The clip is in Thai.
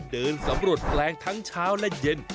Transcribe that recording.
เดินสำรวจแปลงทั้งเช้าและเย็น